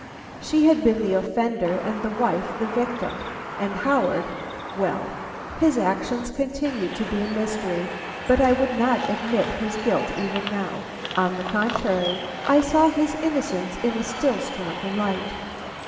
She had been the offender and the wife the victim; and Howard Well, his actions continued to be a mystery, but I would not admit his guilt even now. On the contrary, I saw his innocence in a still stronger light.